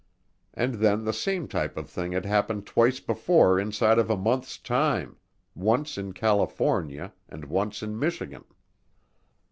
And then the same type of thing had happened twice before inside of a month's time, once in California and once in Michigan.